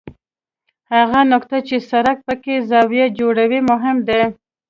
هغه نقطه چې سړک پکې زاویه جوړوي مهم ده